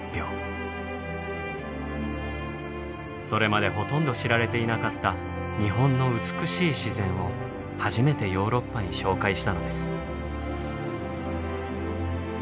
それまでほとんど知られていなかった日本の美しい自然を初めてヨーロッパに紹介したのです。